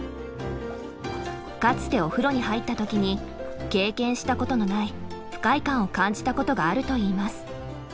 かつてお風呂に入った時に経験したことのない不快感を感じたことがあるといいます。